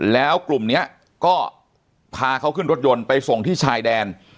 แล้วกลุ่มนี้ก็พาเขาขึ้นรถยนต์ไปส่งที่ชายแดน